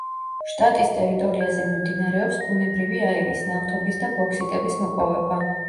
შტატის ტერიტორიაზე მიმდინარეობს ბუნებრივი აირის, ნავთობის და ბოქსიტების მოპოვება.